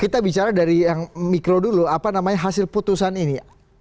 kita bicara dari yang mikro dulu apa namanya hasil putusan ini